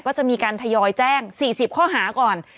ก็จะมีการทยอยแจ้ง๔๐ข้อหาก่อน